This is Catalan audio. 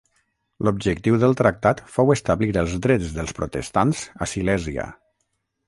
L'objectiu del tractat fou establir els drets dels protestants a Silèsia.